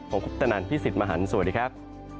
ของครูปตะนันท์พี่สิทธิ์มหันต์สวัสดีครับ